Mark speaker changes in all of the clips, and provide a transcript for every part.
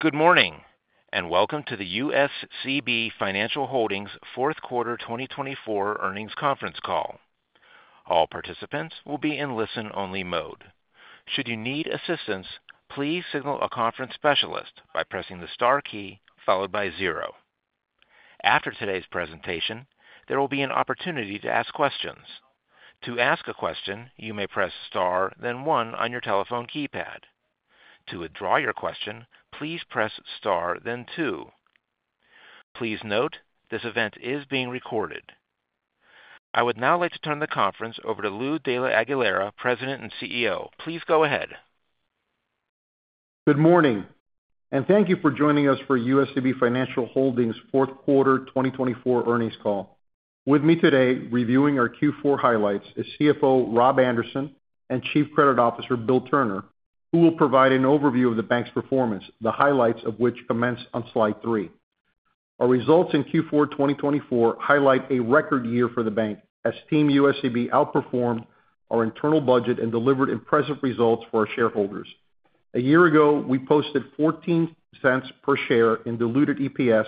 Speaker 1: Good morning, and welcome to the USCB Financial Holdings Fourth Quarter 2024 Earnings Conference Call. All participants will be in listen-only mode. Should you need assistance, please signal a conference specialist by pressing the star key followed by zero. After today's presentation, there will be an opportunity to ask questions. To ask a question, you may press star, then one on your telephone keypad. To withdraw your question, please press star, then two. Please note, this event is being recorded. I would now like to turn the conference over to Lou de la Aguilera, President and CEO. Please go ahead.
Speaker 2: Good morning, and thank you for joining us for USCB Financial Holdings Fourth Quarter 2024 Earnings Call. With me today, reviewing our Q4 highlights, is CFO, Rob Anderson and Chief Credit Officer, Bill Turner, who will provide an overview of the bank's performance, the highlights of which commence on slide three. Our results in Q4 2024 highlight a record year for the bank, as Team USCB outperformed our internal budget and delivered impressive results for our shareholders. A year ago, we posted $0.14 per share in diluted EPS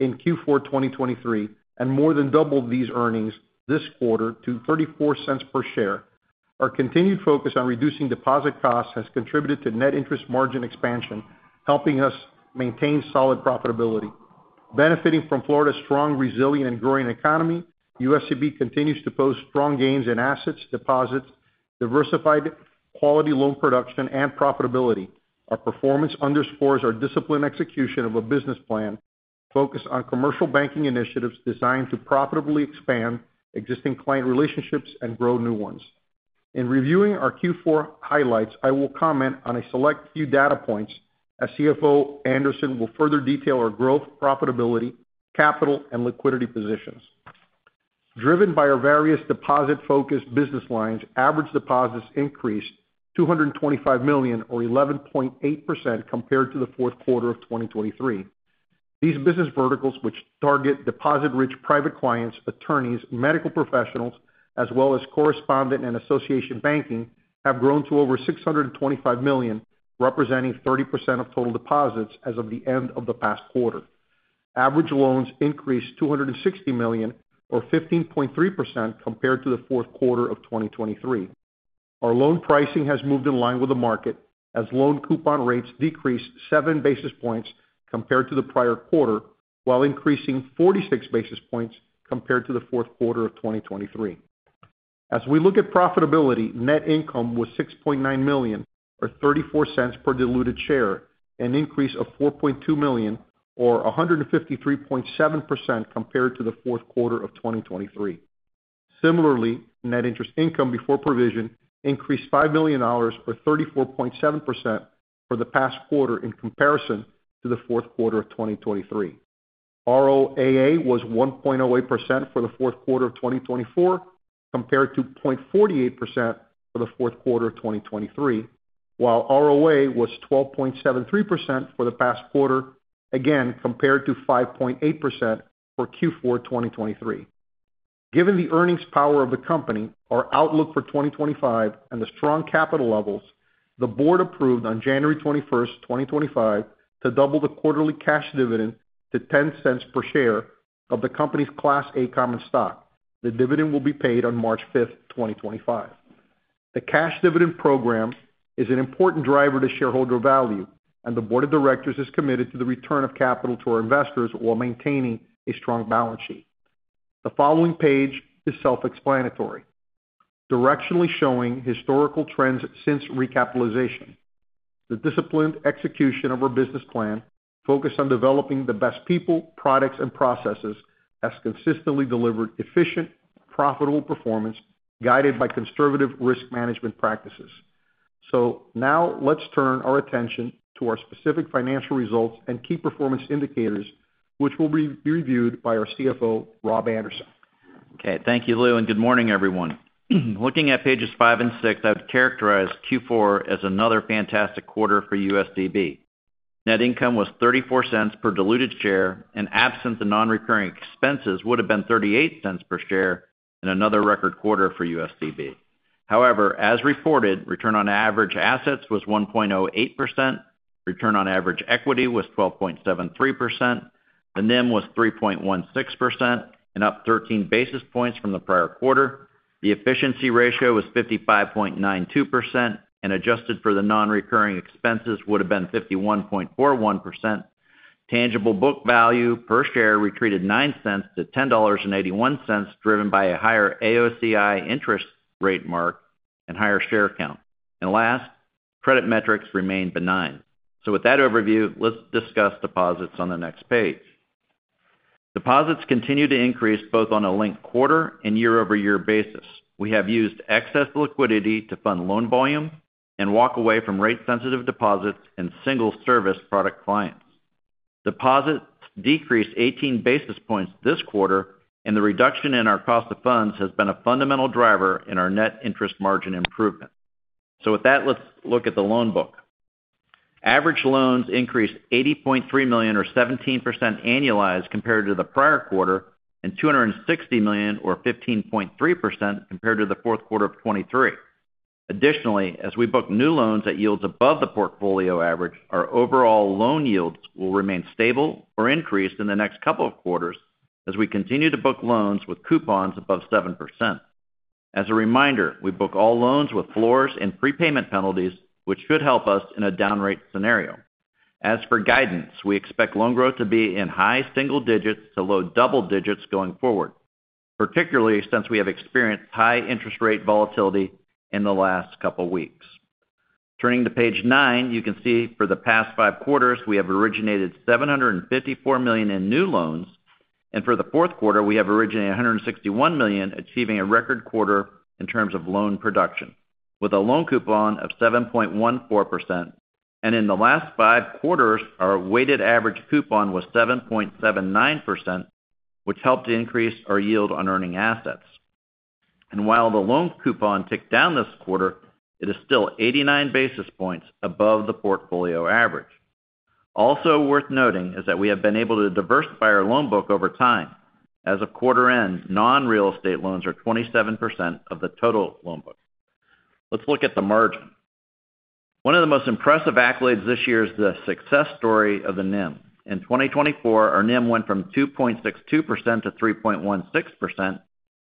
Speaker 2: in Q4 2023 and more than doubled these earnings this quarter to $0.34 per share. Our continued focus on reducing deposit costs has contributed to net interest margin expansion, helping us maintain solid profitability. Benefiting from Florida's strong, resilient, and growing economy, USCB continues to post strong gains in assets, deposits, diversified quality loan production, and profitability. Our performance underscores our disciplined execution of a business plan focused on commercial banking initiatives designed to profitably expand existing client relationships and grow new ones. In reviewing our Q4 highlights, I will comment on a select few data points, as CFO Anderson will further detail our growth, profitability, capital, and liquidity positions. Driven by our various deposit-focused business lines, average deposits increased $225 million, or 11.8%, compared to the fourth quarter of 2023. These business verticals, which target deposit-rich private clients, attorneys, medical professionals, as well as correspondent and association banking, have grown to over $625 million, representing 30% of total deposits as of the end of the past quarter. Average loans increased $260 million, or 15.3%, compared to the fourth quarter of 2023. Our loan pricing has moved in line with the market, as loan coupon rates decreased 7 basis points compared to the prior quarter, while increasing 46 basis points compared to the fourth quarter of 2023. As we look at profitability, net income was $6.9 million, or $0.34 per diluted share, an increase of $4.2 million, or 153.7%, compared to the fourth quarter of 2023. Similarly, net interest income before provision increased $5 million, or 34.7%, for the past quarter in comparison to the fourth quarter of 2023. ROAA was 1.08% for the fourth quarter of 2024, compared to 0.48% for the fourth quarter of 2023, while ROA was 12.73% for the past quarter, again compared to 5.8% for Q4 2023. Given the earnings power of the company, our outlook for 2025, and the strong capital levels, the board approved on January 21st, 2025, to double the quarterly cash dividend to $0.10 per share of the company's Class A common stock. The dividend will be paid on March 5th, 2025. The cash dividend program is an important driver to shareholder value, and the board of directors is committed to the return of capital to our investors while maintaining a strong balance sheet. The following page is self-explanatory, directionally showing historical trends since recapitalization. The disciplined execution of our business plan focused on developing the best people, products, and processes has consistently delivered efficient, profitable performance guided by conservative risk management practices. So now let's turn our attention to our specific financial results and key performance indicators, which will be reviewed by our CFO, Rob Anderson.
Speaker 3: Okay. Thank you, Lou, and good morning, everyone. Looking at pages five and six, I would characterize Q4 as another fantastic quarter for USCB. Net income was $0.34 per diluted share, and absent the non-recurring expenses, would have been $0.38 per share in another record quarter for USCB. However, as reported, return on average assets was 1.08%, return on average equity was 12.73%, the NIM was 3.16%, and up 13 basis points from the prior quarter. The efficiency ratio was 55.92%, and adjusted for the non-recurring expenses, would have been 51.41%. Tangible book value per share retreated $0.09 to $10.81, driven by a higher AOCI interest rate mark and higher share count. And last, credit metrics remain benign. So with that overview, let's discuss deposits on the next page. Deposits continue to increase both on a linked quarter and year-over-year basis. We have used excess liquidity to fund loan volume and walk away from rate-sensitive deposits and single-service product clients. Deposits decreased 18 basis points this quarter, and the reduction in our cost of funds has been a fundamental driver in our net interest margin improvement. So with that, let's look at the loan book. Average loans increased $80.3 million, or 17%, annualized compared to the prior quarter, and $260 million, or 15.3%, compared to the fourth quarter of 2023. Additionally, as we book new loans at yields above the portfolio average, our overall loan yields will remain stable or increased in the next couple of quarters as we continue to book loans with coupons above 7%. As a reminder, we book all loans with floors and prepayment penalties, which should help us in a down-rate scenario. As for guidance, we expect loan growth to be in high-single digits to low-double digits going forward, particularly since we have experienced high interest rate volatility in the last couple of weeks. Turning to page nine, you can see for the past five quarters, we have originated $754 million in new loans, and for the fourth quarter, we have originated $161 million, achieving a record quarter in terms of loan production, with a loan coupon of 7.14%. And in the last five quarters, our weighted average coupon was 7.79%, which helped increase our yield on earning assets. And while the loan coupon ticked down this quarter, it is still 89 basis points above the portfolio average. Also worth noting is that we have been able to diversify our loan book over time. As of quarter end, non-real estate loans are 27% of the total loan book. Let's look at the margin. One of the most impressive accolades this year is the success story of the NIM. In 2024, our NIM went from 2.62% to 3.16%,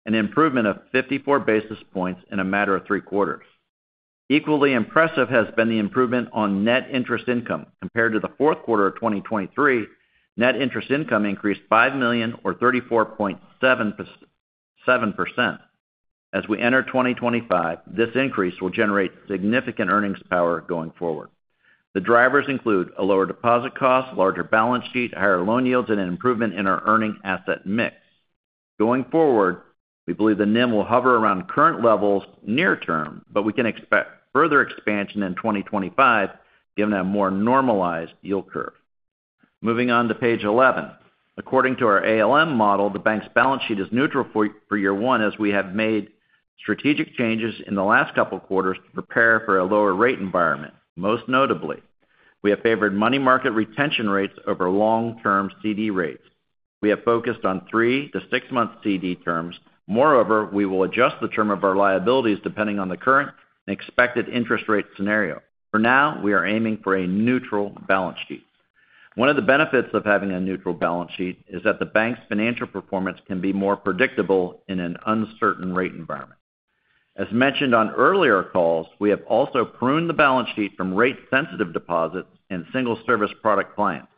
Speaker 3: an improvement of 54 basis points in a matter of three quarters. Equally impressive has been the improvement on net interest income. Compared to the fourth quarter of 2023, net interest income increased $5 million, or 34.7%. As we enter 2025, this increase will generate significant earnings power going forward. The drivers include a lower deposit cost, larger balance sheet, higher loan yields, and an improvement in our earning asset mix. Going forward, we believe the NIM will hover around current levels near term, but we can expect further expansion in 2025, given a more normalized yield curve. Moving on to page 11. According to our ALM model, the bank's balance sheet is neutral for year one as we have made strategic changes in the last couple of quarters to prepare for a lower rate environment. Most notably, we have favored money market retention rates over long-term CD rates. We have focused on three- to six-month CD terms. Moreover, we will adjust the term of our liabilities depending on the current and expected interest rate scenario. For now, we are aiming for a neutral balance sheet. One of the benefits of having a neutral balance sheet is that the bank's financial performance can be more predictable in an uncertain rate environment. As mentioned on earlier calls, we have also pruned the balance sheet from rate-sensitive deposits and single-service product clients.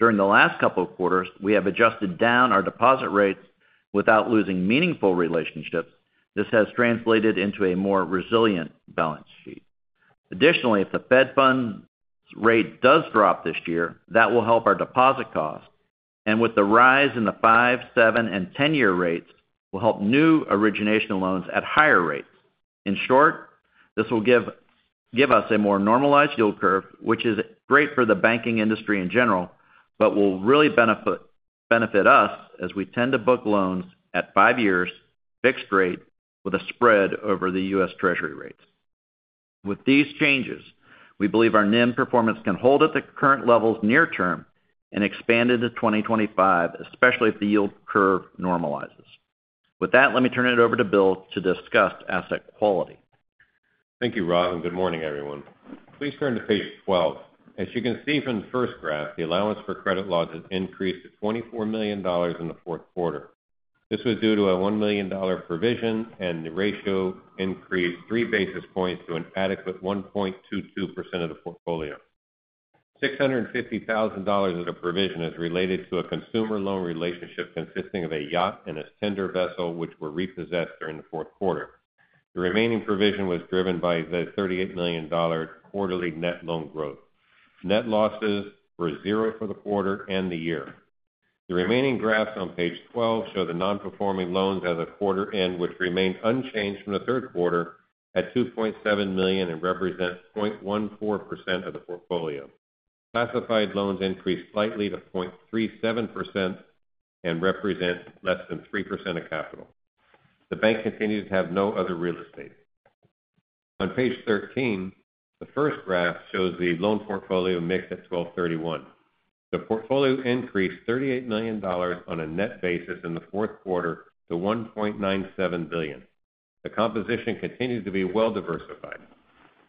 Speaker 3: During the last couple of quarters, we have adjusted down our deposit rates without losing meaningful relationships. This has translated into a more resilient balance sheet. Additionally, if the Fed Funds rate does drop this year, that will help our deposit costs, and with the rise in the five, seven, and ten-year rates, will help new origination loans at higher rates. In short, this will give us a more normalized yield curve, which is great for the banking industry in general, but will really benefit us as we tend to book loans at five years fixed rate with a spread over the U.S. Treasury rates. With these changes, we believe our NIM performance can hold at the current levels near term and expand into 2025, especially if the yield curve normalizes. With that, let me turn it over to Bill to discuss asset quality.
Speaker 4: Thank you, Rob, and good morning, everyone. Please turn to page 12. As you can see from the first graph, the allowance for credit loss has increased to $24 million in the fourth quarter. This was due to a $1 million provision, and the ratio increased three basis points to an adequate 1.22% of the portfolio. $650,000 of the provision is related to a consumer loan relationship consisting of a yacht and a tender vessel, which were repossessed during the fourth quarter. The remaining provision was driven by the $38 million quarterly net loan growth. Net losses were zero for the quarter and the year. The remaining graphs on page 12 show the non-performing loans as of quarter end, which remained unchanged from the third quarter at $2.7 million and represent 0.14% of the portfolio. Classified loans increased slightly to 0.37% and represent less than 3% of capital. The bank continues to have no other real estate. On page 13, the first graph shows the loan portfolio mix at December 31. The portfolio increased $38 million on a net basis in the fourth quarter to $1.97 billion. The composition continues to be well-diversified.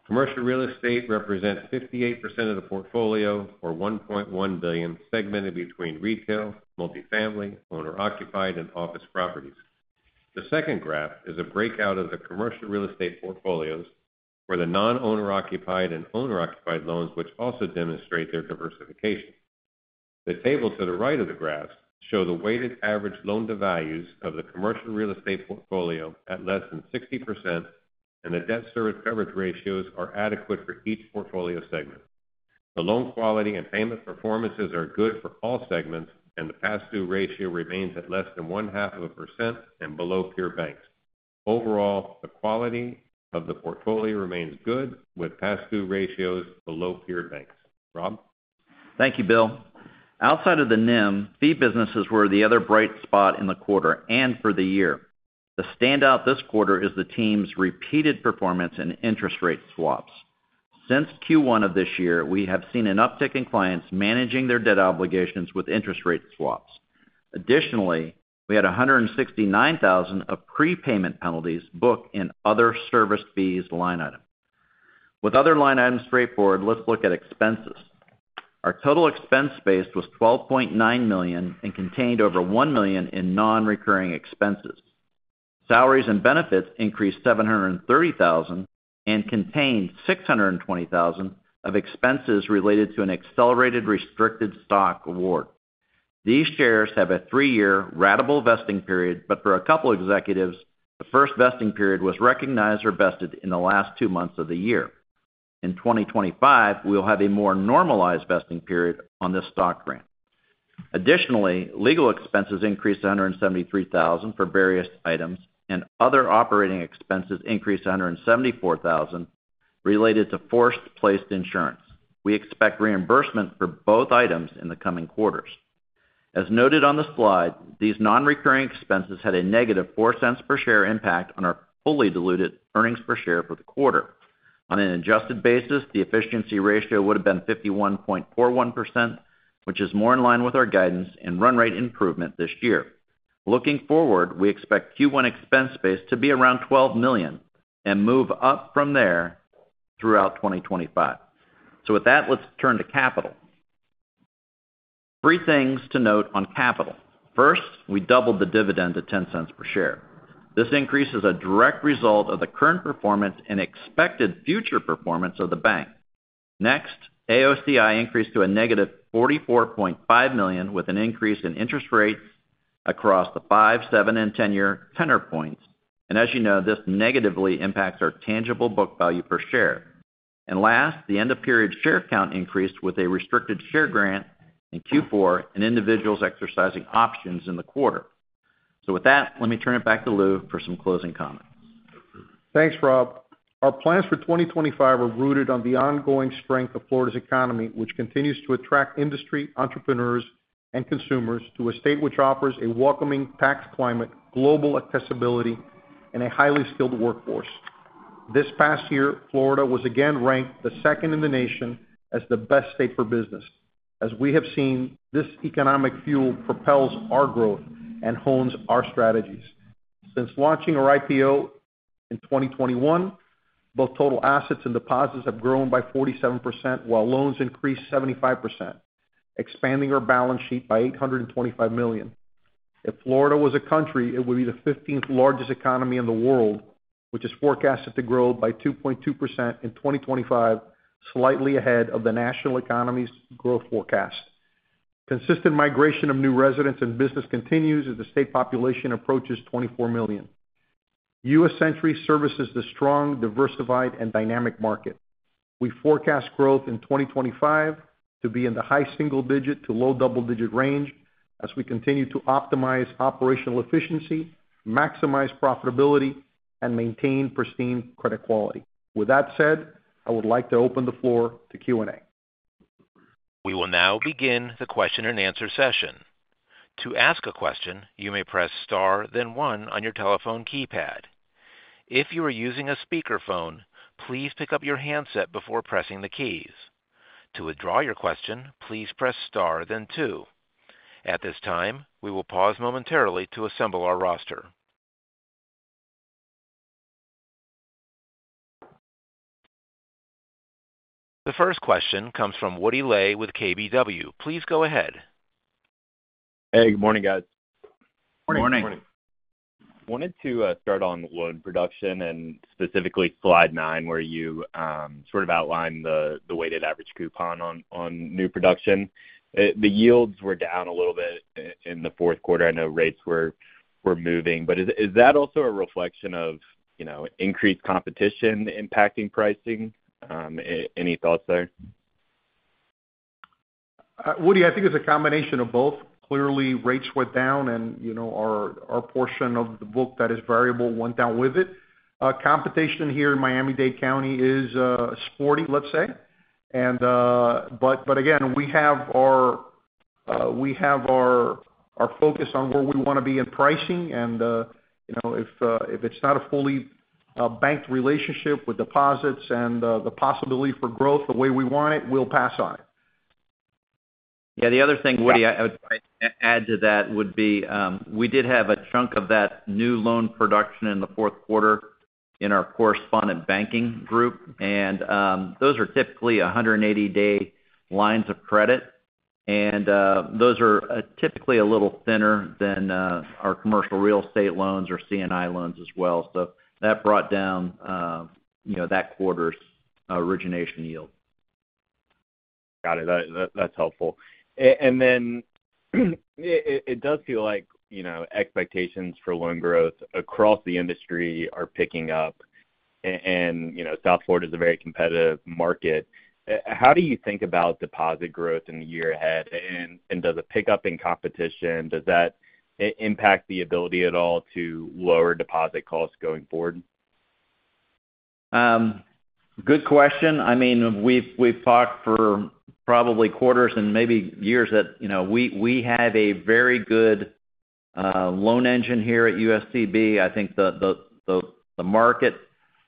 Speaker 4: Commercial real estate represents 58% of the portfolio or $1.1 billion, segmented between retail, multifamily, owner-occupied, and office properties. The second graph is a breakout of the commercial real estate portfolios for the non-owner-occupied and owner-occupied loans, which also demonstrate their diversification. The table to the right of the graphs shows the weighted average loan-to-values of the commercial real estate portfolio at less than 60%, and the debt-service coverage ratios are adequate for each portfolio segment. The loan quality and payment performances are good for all segments, and the past due ratio remains at less than 0.5% and below peer banks. Overall, the quality of the portfolio remains good, with past due ratios below peer banks. Rob?
Speaker 3: Thank you, Bill. Outside of the NIM, fee businesses were the other bright spot in the quarter and for the year. The standout this quarter is the team's record performance in interest rate swaps. Since Q1 of this year, we have seen an uptick in clients managing their debt obligations with interest rate swaps. Additionally, we had $169,000 of prepayment penalties booked in other service fees line items. With other line items straightforward, let's look at expenses. Our total expense base was $12.9 million and contained over $1 million in non-recurring expenses. Salaries and benefits increased $730,000 and contained $620,000 of expenses related to an accelerated restricted stock award. These shares have a three-year ratable vesting period, but for a couple of executives, the first vesting period was recognized or vested in the last two months of the year. In 2025, we will have a more normalized vesting period on this stock grant. Additionally, legal expenses increased $173,000 for various items, and other operating expenses increased $174,000 related to force-placed insurance. We expect reimbursement for both items in the coming quarters. As noted on the slide, these non-recurring expenses had a -$0.04 per share impact on our fully diluted earnings per share for the quarter. On an adjusted basis, the efficiency ratio would have been 51.41%, which is more in line with our guidance and run rate improvement this year. Looking forward, we expect Q1 expense base to be around $12 million and move up from there throughout 2025. So with that, let's turn to capital. Three things to note on capital. First, we doubled the dividend to $0.10 per share. This increase is a direct result of the current performance and expected future performance of the bank. Next, AOCI increased to -$44.5 million with an increase in interest rates across the five, seven, and ten-year tenor points. And as you know, this negatively impacts our tangible book value per share. And last, the end-of-period share count increased with a restricted share grant in Q4 and individuals exercising options in the quarter. So with that, let me turn it back to Lou for some closing comments.
Speaker 2: Thanks, Rob. Our plans for 2025 are rooted on the ongoing strength of Florida's economy, which continues to attract industry, entrepreneurs, and consumers to a state which offers a welcoming tax climate, global accessibility, and a highly skilled workforce. This past year, Florida was again ranked the second in the nation as the best state for business. As we have seen, this economic fuel propels our growth and hones our strategies. Since launching our IPO in 2021, both total assets and deposits have grown by 47%, while loans increased 75%, expanding our balance sheet by $825 million. If Florida was a country, it would be the 15th largest economy in the world, which is forecasted to grow by 2.2% in 2025, slightly ahead of the national economy's growth forecast. Consistent migration of new residents and business continues as the state population approaches 24 million. U.S. Century services the strong, diversified, and dynamic market. We forecast growth in 2025 to be in the high-single digit to low-double digit range as we continue to optimize operational efficiency, maximize profitability, and maintain pristine credit quality. With that said, I would like to open the floor to Q&A.
Speaker 1: We will now begin the question-and-answer session. To ask a question, you may press star, then one on your telephone keypad. If you are using a speakerphone, please pick up your handset before pressing the keys. To withdraw your question, please press star, then two. At this time, we will pause momentarily to assemble our roster. The first question comes from Woody Lay with KBW. Please go ahead.
Speaker 5: Hey, good morning, guys.
Speaker 2: Morning.
Speaker 3: Morning.
Speaker 4: Morning.
Speaker 5: Wanted to start on loan production and specifically slide nine, where you sort of outlined the weighted average coupon on new production. The yields were down a little bit in the fourth quarter. I know rates were moving, but is that also a reflection of increased competition impacting pricing? Any thoughts there?
Speaker 2: Woody, I think it's a combination of both. Clearly, rates went down, and our portion of the book that is variable went down with it. Competition here in Miami-Dade County is sporty, let's say. But again, we have our focus on where we want to be in pricing, and if it's not a fully banked relationship with deposits and the possibility for growth the way we want it, we'll pass on it.
Speaker 3: Yeah. The other thing, Woody, I would add to that would be we did have a chunk of that new loan production in the fourth quarter in our correspondent banking group, and those are typically 180-day lines of credit, and those are typically a little thinner than our commercial real estate loans or C&I loans as well. So that brought down that quarter's origination yield.
Speaker 5: Got it. That's helpful. And then it does feel like expectations for loan growth across the industry are picking up, and South Florida is a very competitive market. How do you think about deposit growth in the year ahead, and does it pick up in competition? Does that impact the ability at all to lower deposit costs going forward?
Speaker 3: Good question. I mean, we've thought for probably quarters and maybe years that we have a very good loan engine here at USCB. I think the market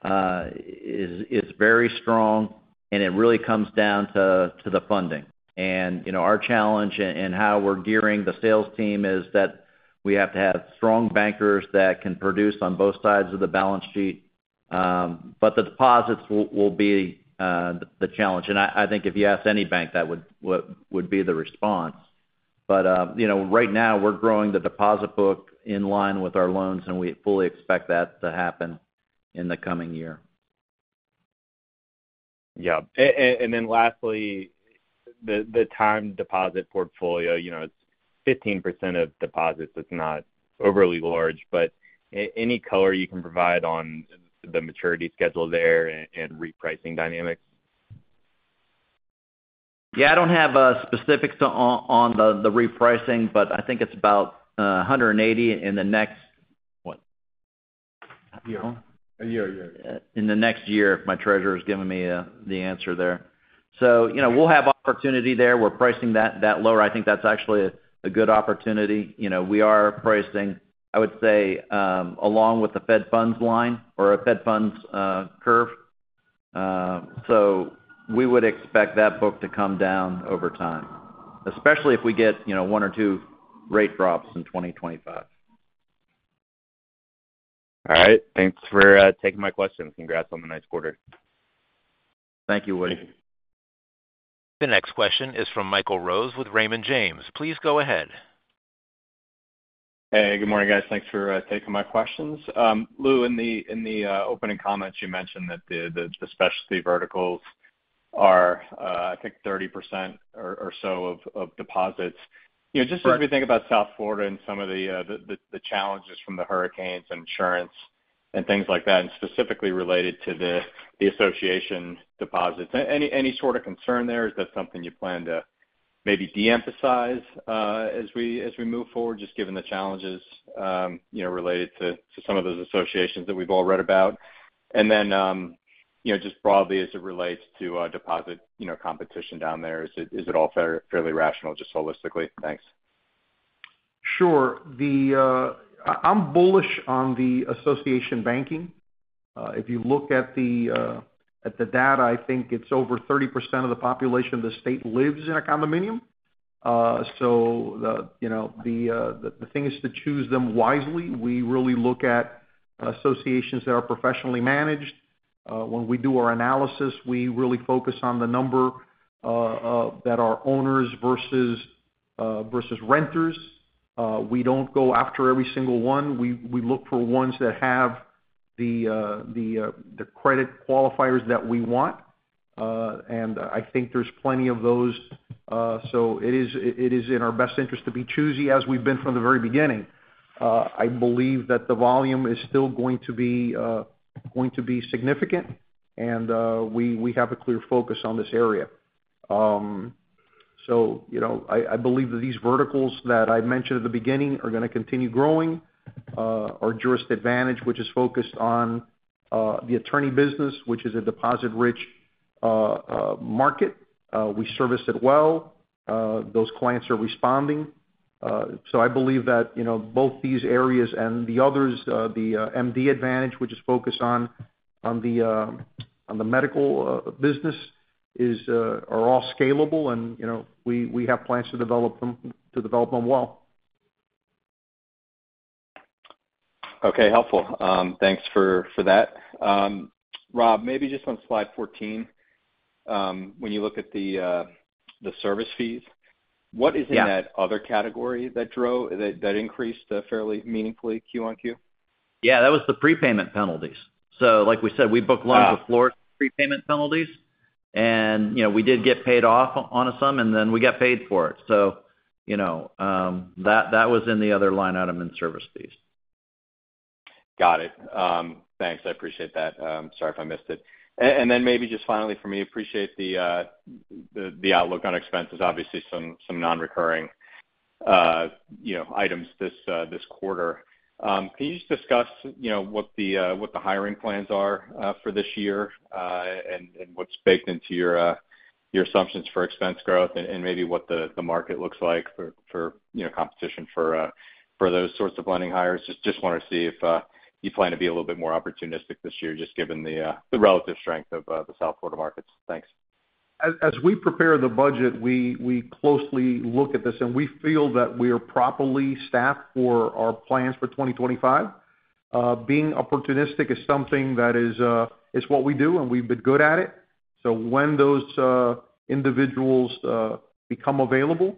Speaker 3: is very strong, and it really comes down to the funding. And our challenge and how we're gearing the sales team is that we have to have strong bankers that can produce on both sides of the balance sheet, but the deposits will be the challenge. And I think if you ask any bank, that would be the response. But right now, we're growing the deposit book in line with our loans, and we fully expect that to happen in the coming year.
Speaker 5: Yeah, and then lastly, the time deposit portfolio. It's 15% of deposits. It's not overly large, but any color you can provide on the maturity schedule there and repricing dynamics?
Speaker 3: Yeah. I don't have specifics on the repricing, but I think it's about 180 in the next what? A year. A year, a year. In the next year, if my treasurer's giving me the answer there. So we'll have opportunity there. We're pricing that lower. I think that's actually a good opportunity. We are pricing, I would say, along with the Fed Funds line or a Fed Funds curve. So we would expect that book to come down over time, especially if we get one or two rate drops in 2025.
Speaker 5: All right. Thanks for taking my questions. Congrats on the next quarter.
Speaker 3: Thank you, Woody.
Speaker 1: The next question is from Michael Rose with Raymond James. Please go ahead.
Speaker 6: Hey, good morning, guys. Thanks for taking my questions. Lou, in the opening comments, you mentioned that the specialty verticals are, I think, 30% or so of deposits. Just as we think about South Florida and some of the challenges from the hurricanes and insurance and things like that, and specifically related to the association deposits, any sort of concern there? Is that something you plan to maybe de-emphasize as we move forward, just given the challenges related to some of those associations that we've all read about? And then just broadly, as it relates to deposit competition down there, is it all fairly rational just holistically? Thanks.
Speaker 2: Sure. I'm bullish on the association banking. If you look at the data, I think it's over 30% of the population of the state lives in a condominium. So the thing is to choose them wisely. We really look at associations that are professionally managed. When we do our analysis, we really focus on the number that are owners versus renters. We don't go after every single one. We look for ones that have the credit qualifiers that we want, and I think there's plenty of those. So it is in our best interest to be choosy as we've been from the very beginning. I believe that the volume is still going to be significant, and we have a clear focus on this area. So I believe that these verticals that I mentioned at the beginning are going to continue growing. Our Jurist Advantage, which is focused on the attorney business, which is a deposit-rich market, we service it well. Those clients are responding. So I believe that both these areas and the others, the MD Advantage, which is focused on the medical business, are all scalable, and we have plans to develop them well.
Speaker 6: Okay. Helpful. Thanks for that. Rob, maybe just on slide 14, when you look at the service fees, what is in that other category that increased fairly meaningfully, Q-on-Q?
Speaker 3: Yeah. That was the prepayment penalties. So like we said, we booked loans with Florida's prepayment penalties, and we did get paid off on a sum, and then we got paid for it. So that was in the other line item in service fees.
Speaker 6: Got it. Thanks. I appreciate that. Sorry if I missed it. And then maybe just finally for me, appreciate the outlook on expenses, obviously some non-recurring items this quarter. Can you just discuss what the hiring plans are for this year and what's baked into your assumptions for expense growth and maybe what the market looks like for competition for those sorts of lending hires? Just want to see if you plan to be a little bit more opportunistic this year, just given the relative strength of the South Florida markets. Thanks.
Speaker 2: As we prepare the budget, we closely look at this, and we feel that we are properly staffed for our plans for 2025. Being opportunistic is something that is what we do, and we've been good at it. So when those individuals become available,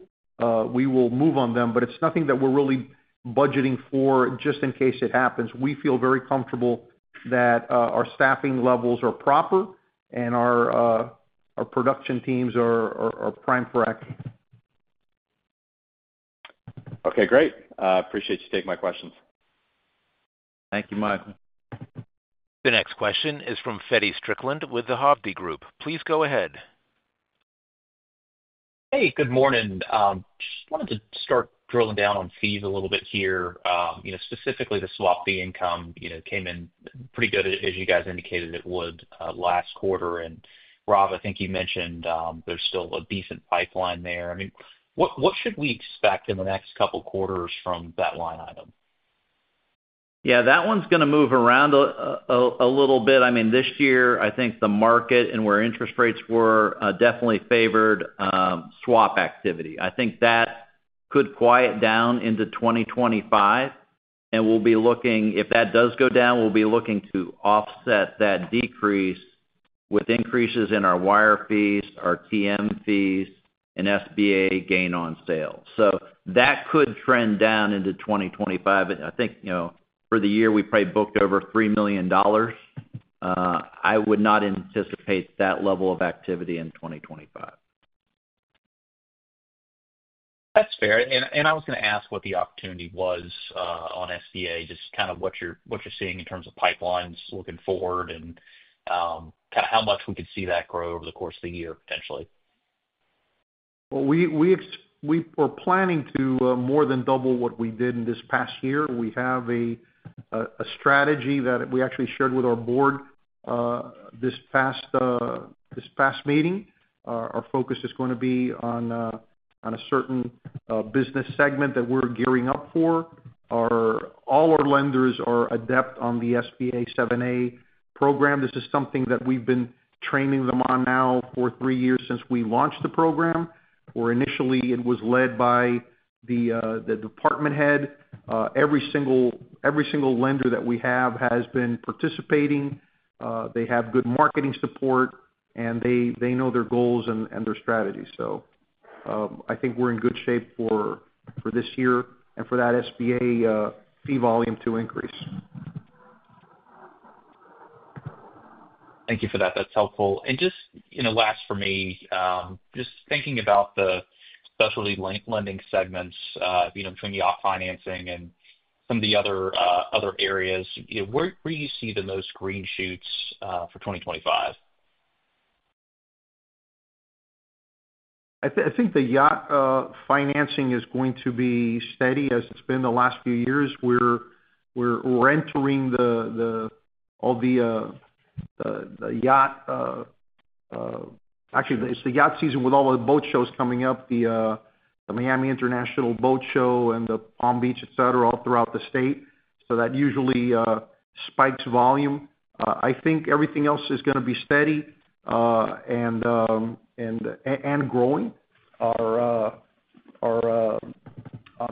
Speaker 2: we will move on them, but it's nothing that we're really budgeting for just in case it happens. We feel very comfortable that our staffing levels are proper and our production teams are primed for action.
Speaker 5: Okay. Great. Appreciate you taking my questions.
Speaker 2: Thank you, Michael.
Speaker 1: The next question is from Feddie Strickland with the Hovde Group. Please go ahead.
Speaker 7: Hey, good morning. Just wanted to start drilling down on fees a little bit here, specifically the swap fee income came in pretty good, as you guys indicated it would last quarter, and Rob, I think you mentioned there's still a decent pipeline there. I mean, what should we expect in the next couple of quarters from that line item?
Speaker 3: Yeah. That one's going to move around a little bit. I mean, this year, I think the market and where interest rates were definitely favored swap activity. I think that could quiet down into 2025, and if that does go down, we'll be looking to offset that decrease with increases in our wire fees, our TM fees, and SBA gain on sales. So that could trend down into 2025. I think for the year, we probably booked over $3 million. I would not anticipate that level of activity in 2025.
Speaker 7: That's fair. I was going to ask what the opportunity was on SBA, just kind of what you're seeing in terms of pipelines looking forward and kind of how much we could see that grow over the course of the year, potentially?
Speaker 2: We were planning to more than double what we did in this past year. We have a strategy that we actually shared with our board this past meeting. Our focus is going to be on a certain business segment that we're gearing up for. All our lenders are adept on the SBA 7(a) program. This is something that we've been training them on now for three years since we launched the program, where initially it was led by the department head. Every single lender that we have has been participating. They have good marketing support, and they know their goals and their strategy. I think we're in good shape for this year and for that SBA fee volume to increase.
Speaker 7: Thank you for that. That's helpful. And just last for me, just thinking about the specialty lending segments between yacht financing and some of the other areas, where do you see the most green shoots for 2025?
Speaker 2: I think the yacht financing is going to be steady as it's been the last few years. We're entering all the yacht, actually. It's the yacht season with all the boat shows coming up, the Miami International Boat Show and the Palm Beach, etc., all throughout the state, so that usually spikes volume. I think everything else is going to be steady and growing.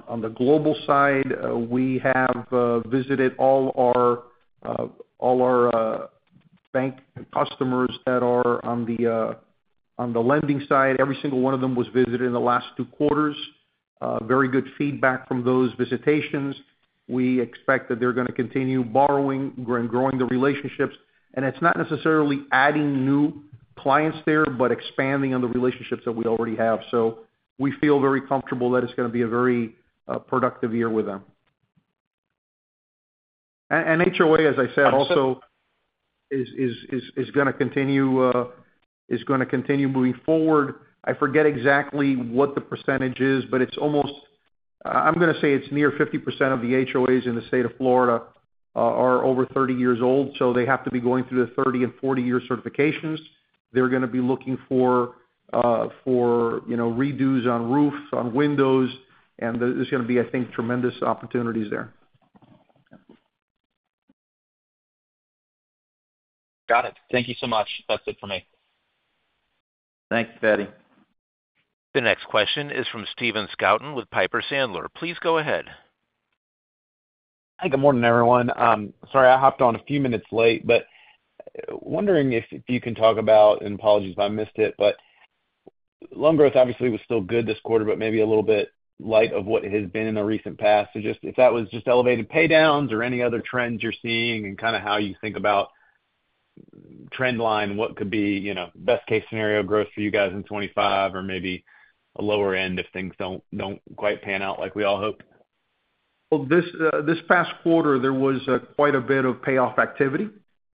Speaker 2: On the global side, we have visited all our bank customers that are on the lending side. Every single one of them was visited in the last two quarters. Very good feedback from those visitations. We expect that they're going to continue borrowing and growing the relationships, and it's not necessarily adding new clients there, but expanding on the relationships that we already have, so we feel very comfortable that it's going to be a very productive year with them. HOA, as I said, also is going to continue moving forward. I forget exactly what the percentage is, but it's almost, I'm going to say, it's near 50% of the HOAs in the state of Florida are over 30 years old, so they have to be going through the 30- and 40-year certifications. They're going to be looking for redos on roofs, on windows, and there's going to be, I think, tremendous opportunities there.
Speaker 7: Got it. Thank you so much. That's it for me.
Speaker 2: Thanks, Feddie.
Speaker 1: The next question is from Stephen Scouten with Piper Sandler. Please go ahead.
Speaker 8: Hi. Good morning, everyone. Sorry, I hopped on a few minutes late, but wondering if you can talk about, and apologies if I missed it, but loan growth obviously was still good this quarter, but maybe a little bit light on what it has been in the recent past. So just if that was just elevated pay downs or any other trends you're seeing and kind of how you think about trend line, what could be best-case scenario growth for you guys in 2025 or maybe a lower end if things don't quite pan out like we all hope?
Speaker 2: This past quarter, there was quite a bit of payoff activity,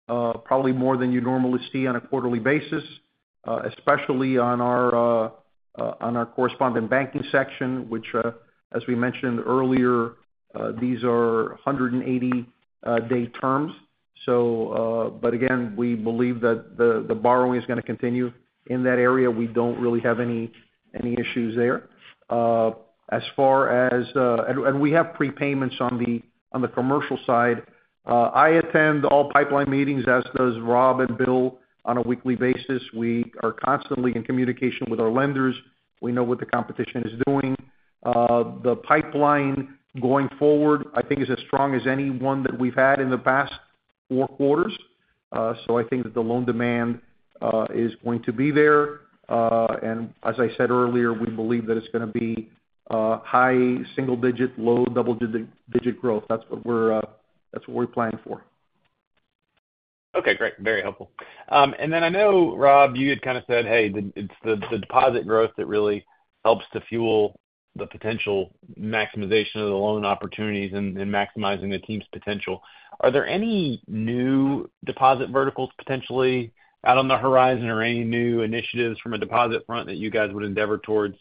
Speaker 2: probably more than you normally see on a quarterly basis, especially on our correspondent banking section, which, as we mentioned earlier, these are 180-day terms. Again, we believe that the borrowing is going to continue in that area. We don't really have any issues there. As far as, and we have prepayments on the commercial side. I attend all pipeline meetings, as does Rob and Bill, on a weekly basis. We are constantly in communication with our lenders. We know what the competition is doing. The pipeline going forward, I think, is as strong as any one that we've had in the past four quarters. I think that the loan demand is going to be there. As I said earlier, we believe that it's going to be high-single-digit, low-double-digit growth. That's what we're planning for.
Speaker 8: Okay. Great. Very helpful. And then I know, Rob, you had kind of said, "Hey, it's the deposit growth that really helps to fuel the potential maximization of the loan opportunities and maximizing the team's potential." Are there any new deposit verticals potentially out on the horizon or any new initiatives from a deposit front that you guys would endeavor towards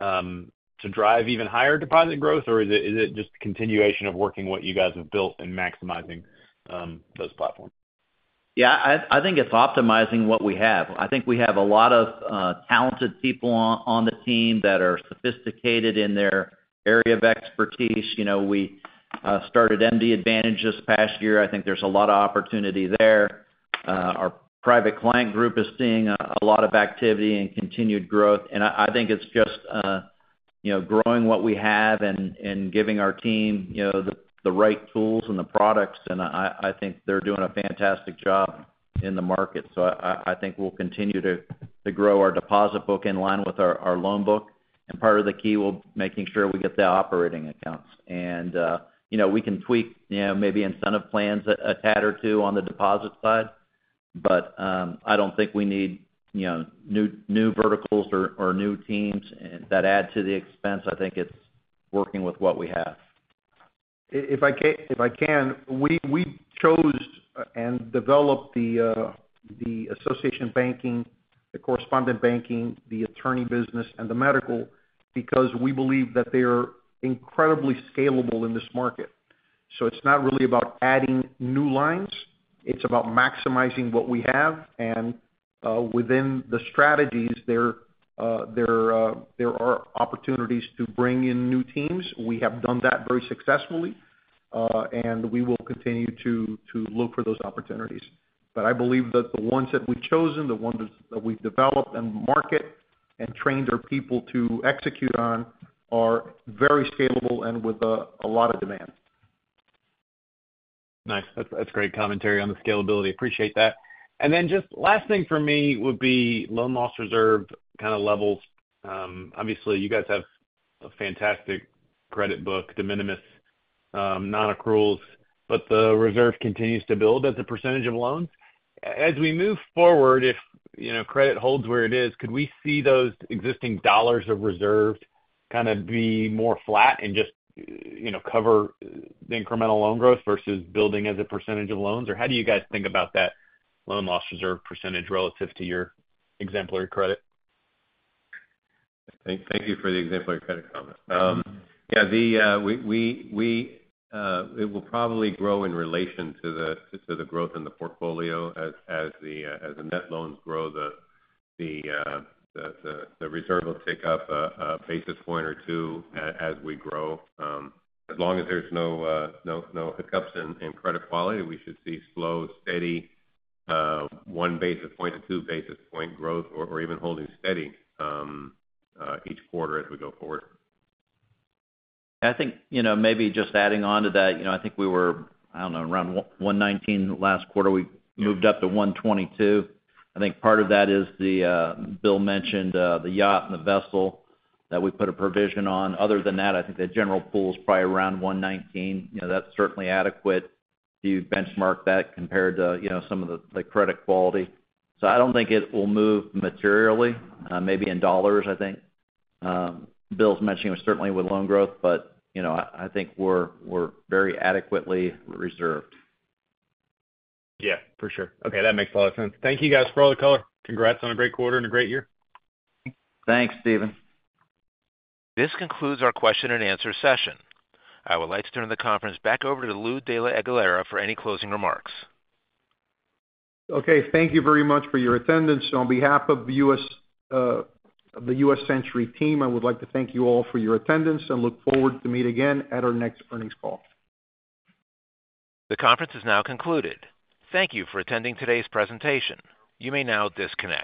Speaker 8: to drive even higher deposit growth, or is it just the continuation of working what you guys have built and maximizing those platforms?
Speaker 3: Yeah. I think it's optimizing what we have. I think we have a lot of talented people on the team that are sophisticated in their area of expertise. We started MD Advantage this past year. I think there's a lot of opportunity there. Our private client group is seeing a lot of activity and continued growth. And I think it's just growing what we have and giving our team the right tools and the products. And I think they're doing a fantastic job in the market. So I think we'll continue to grow our deposit book in line with our loan book. And part of the key will be making sure we get the operating accounts. And we can tweak maybe incentive plans a tad or two on the deposit side, but I don't think we need new verticals or new teams that add to the expense. I think it's working with what we have.
Speaker 2: If I can, we chose and developed the association banking, the correspondent banking, the attorney business, and the medical because we believe that they're incredibly scalable in this market, so it's not really about adding new lines. It's about maximizing what we have, and within the strategies, there are opportunities to bring in new teams. We have done that very successfully, and we will continue to look for those opportunities, but I believe that the ones that we've chosen, the ones that we've developed and marketed and trained our people to execute on are very scalable and with a lot of demand.
Speaker 8: Nice. That's great commentary on the scalability. Appreciate that. And then just last thing for me would be loan loss reserve kind of levels. Obviously, you guys have a fantastic credit book, de minimis, non-accruals, but the reserve continues to build as a percentage of loans. As we move forward, if credit holds where it is, could we see those existing dollars of reserve kind of be more flat and just cover the incremental loan growth versus building as a percentage of loans? Or how do you guys think about that loan loss reserve percentage relative to your exemplary credit?
Speaker 4: Thank you for the exemplary credit comment. Yeah. It will probably grow in relation to the growth in the portfolio. As the net loans grow, the reserve will take up a basis point or two as we grow. As long as there's no hiccups in credit quality, we should see slow, steady one basis point to two basis point growth or even holding steady each quarter as we go forward.
Speaker 3: I think maybe just adding on to that. I think we were, I don't know, around 119 basis points last quarter. We moved up to 122 basis points. I think part of that is, Bill mentioned the yacht and the vessel that we put a provision on. Other than that, I think the general pool is probably around 119 basis points. That's certainly adequate to benchmark that compared to some of the credit quality. So I don't think it will move materially, maybe in dollars, I think. Bill's mentioning it was certainly with loan growth, but I think we're very adequately reserved.
Speaker 8: Yeah. For sure. Okay. That makes a lot of sense. Thank you, guys, for all the color. Congrats on a great quarter and a great year.
Speaker 3: Thanks, Stephen.
Speaker 1: This concludes our question-and-answer session. I would like to turn the conference back over to Lou de la Aguilera for any closing remarks.
Speaker 2: Okay. Thank you very much for your attendance. On behalf of the U.S. Century Team, I would like to thank you all for your attendance and look forward to meeting again at our next earnings call.
Speaker 1: The conference is now concluded. Thank you for attending today's presentation. You may now disconnect.